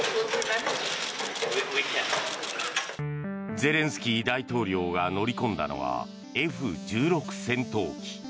ゼレンスキー大統領が乗り込んだのはＦ１６戦闘機。